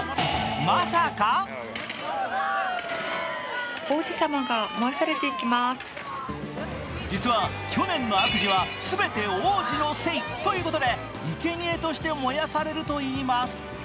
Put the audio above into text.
まさか実は去年の悪事は全て王子のせいということでいけにえとして燃やされるといいます。